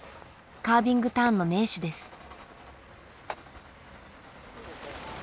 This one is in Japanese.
カービングターンの名手です。